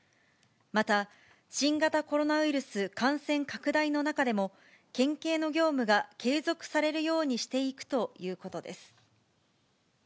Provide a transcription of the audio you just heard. また、新型コロナウイルス感染拡大の中でも、県警の業務が継続されるようにしていくということです。